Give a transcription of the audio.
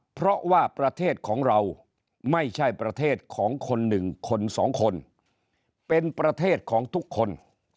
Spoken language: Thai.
เพราะว่าประเทศของเราไม่ใช่ประเทศของคนหนึ่งคนสองคนเป็นประเทศของทุกคน